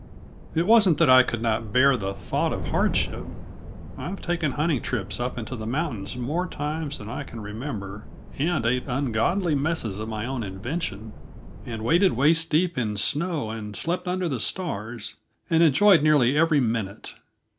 It wasn't that I could not bear the thought of hardship; I've taken hunting trips up into the mountains more times than I can remember, and ate ungodly messes of my own invention, and waded waist deep in snow and slept under the stars, and enjoyed nearly every minute.